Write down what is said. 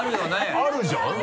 あるじゃん？